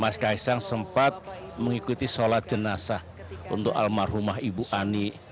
mas kaisang sempat mengikuti sholat jenazah untuk almarhumah ibu ani